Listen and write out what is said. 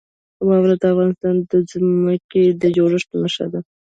واوره د افغانستان د ځمکې د جوړښت نښه ده.